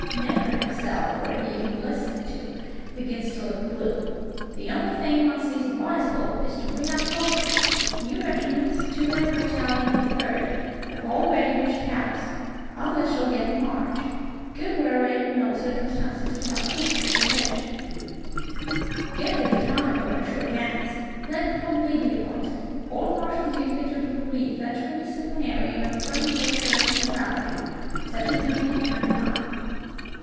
Necker himself, were he even listened to, begins to look blue. The only thing one sees advisable is to bring up soldiers. New regiments, two, and a battalion of a third, have already reached Paris; others shall get in march. Good were it, in all circumstances, to have troops within reach; good that the command were in sure hands. Let Broglie be appointed; old Marshal Duke de Broglie; veteran disciplinarian, of a firm drill sergeant morality, such as may be depended on.